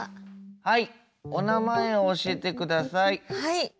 はいお名前を教えてください。